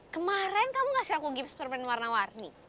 kemaren kamu kasih aku gips permen warna warni